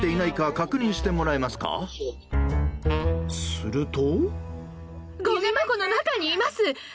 すると。